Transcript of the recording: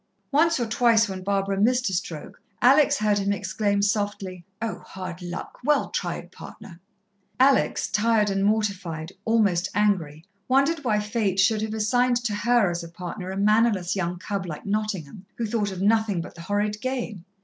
Once or twice, when Barbara missed a stroke, Alex heard him exclaim softly, "Oh, hard luck! Well tried, partner." Alex, tired and mortified, almost angry, wondered why Fate should have assigned to her as a partner a mannerless young cub like Nottingham, who thought of nothing but the horrid game.